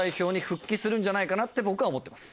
僕は思ってます。